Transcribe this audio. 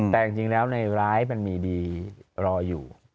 แต่จริงแล้วในร้ายมันมีดีรออยู่